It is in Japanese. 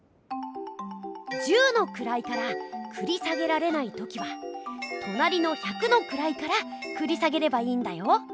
十のくらいからくり下げられない時はとなりの百のくらいからくり下げればいいんだよ。